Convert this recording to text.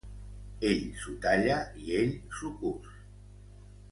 Ell s'ho talla i ell s'ho cus.